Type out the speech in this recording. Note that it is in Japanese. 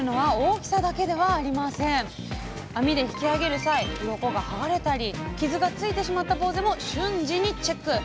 網で引き上げる際うろこが剥がれたり傷がついてしまったぼうぜも瞬時にチェック。